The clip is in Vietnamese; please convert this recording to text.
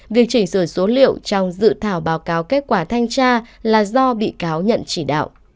việc chỉnh sửa số liệu trong dự thảo báo cáo kết quả thanh tra là do bị cáo nhận chỉ đạo